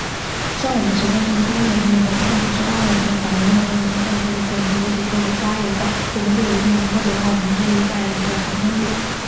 只要我们十三亿多人民和衷共济，只要我们党永远同人民站在一起，大家撸起袖子加油干，我们就一定能够走好我们这一代人的长征路。